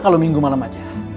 kamu tenang aja